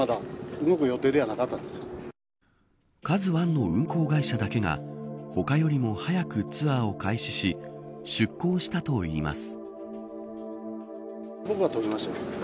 ＫＡＺＵ１の運航会社だけが他よりも早くツアーを開始し出港したといいます。